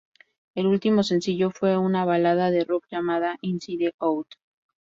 El último sencillo fue una balada de Rock llamada "Inside Out".